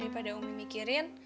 daripada umi mikirin